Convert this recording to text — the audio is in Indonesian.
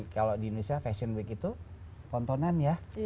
kalau di indonesia fashion week itu tontonan ya